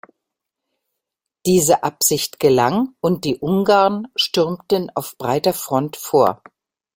Diese Absicht gelang und die Ungarn stürmten auf breiter Front vor.